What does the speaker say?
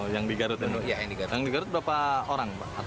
yang di garut berapa orang